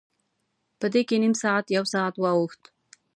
په دې کې نیم ساعت، یو ساعت واوښت.